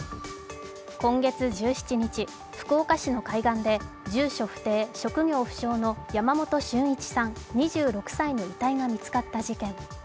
今月１７日、福岡市の海岸で住所不定・職業不詳の山本駿一さん、２６歳の遺体が見つかった事件。